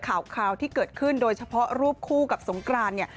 ข่าวที่เกิดขึ้นโดยเฉพาะรูปคู่กับสงกรานเนี่ย